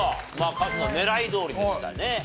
カズの狙いどおりでしたね。